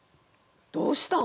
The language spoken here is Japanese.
どうしたん！？